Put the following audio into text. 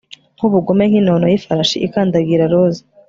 Nkubugome nkinono yifarashi ikandagira roza